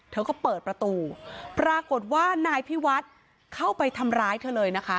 เธอก็เปิดประตูปรากฏว่านายพิวัฒน์เข้าไปทำร้ายเธอเลยนะคะ